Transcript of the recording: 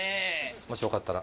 もしよかったら。